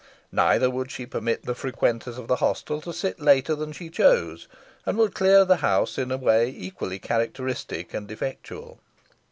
Neither would she permit the frequenters of the hostel to sit later than she chose, and would clear the house in a way equally characteristic and effectual.